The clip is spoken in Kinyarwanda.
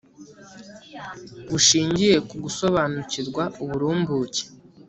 bushingiye ku gusobanukirwa uburumbuke